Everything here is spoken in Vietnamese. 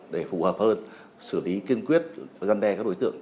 để phù hợp hơn xử lý kiên quyết và gian đe các đối tượng